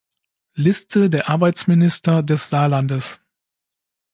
Liste der Arbeitsminister des Saarlandes